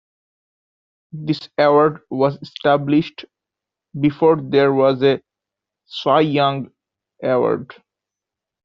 This award was established before there was a Cy Young Award.